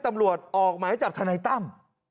ตำรวจออกหมายจับทนายตั้ม